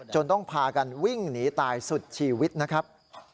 ต้องพากันวิ่งหนีตายสุดชีวิตนะครับ